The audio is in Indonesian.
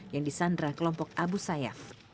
yang disandra kelompok abu sayyaf